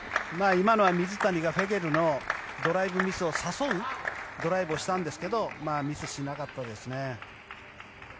今のは水谷がフェゲルのドライブミスを誘うドライブをしたんですけどミスしなかったですね。